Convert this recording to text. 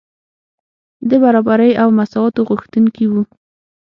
د برابرۍ او مساواتو غوښتونکي وو.